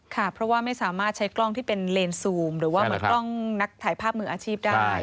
ค่ะเพราะว่าไม่สามารถใช้กล้องที่เป็นเลนซูมหรือว่าเหมือนกล้องนักถ่ายภาพมืออาชีพได้